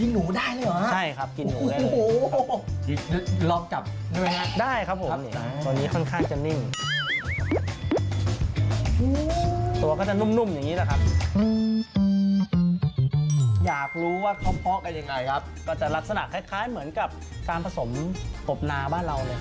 หนูกินหนูได้เลยเหรอครับครับโอ้โฮ